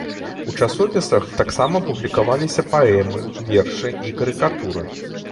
У часопісах таксама публікаваліся паэмы, вершы і карыкатуры.